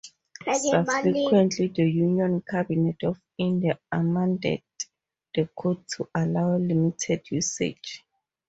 Subsequently, the Union Cabinet of India amended the code to allow limited usage.